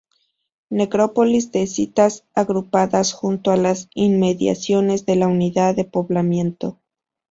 Necrópolis de cistas agrupadas junto a las inmediaciones de la unidad de poblamiento.